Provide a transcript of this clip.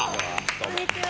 こんにちは。